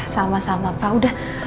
sama sama pak udah